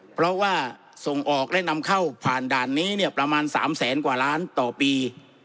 เพราะว่าส่งออกและนำเข้าผ่านด่านนี้เนี่ยประมาณ๓แสนกว่าล้านต่อปี